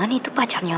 lo mau tanya dong